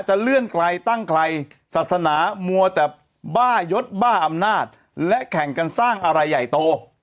เลื่อนใครตั้งใครศาสนามัวแต่บ้ายศบ้าอำนาจและแข่งกันสร้างอะไรใหญ่โต